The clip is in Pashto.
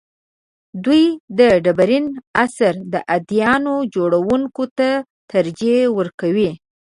دوی ډبرین عصر د اديانو جوړونکو ته ترجیح ورکوي.